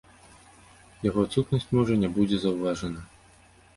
Яго адсутнасць, можа, не будзе заўважана.